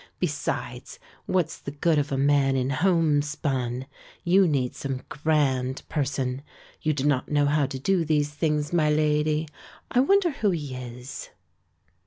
Besides, what's the good of a man in homespun; you need some grand person; you do not know how to do these things, my lady. I wonder who he is."